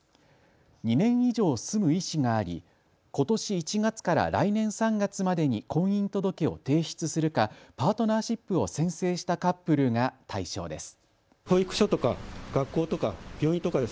２年以上住む意思がありことし１月から来年３月までに婚姻届を提出するかパートナーシップを宣誓したカップルが対象です。